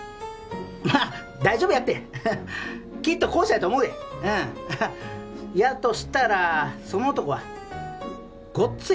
まあ大丈夫やってははきっと後者やと思うでうんやとしたらその男はごっつええ